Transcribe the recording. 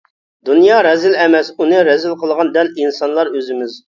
دۇنيا رەزىل ئەمەس ئۇنى رەزىل قىلغان دەل ئىنسانلار ئۆزىمىز.